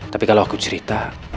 tapi kalau aku cerita